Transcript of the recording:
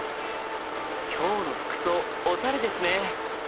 今日の服装おしゃれですね。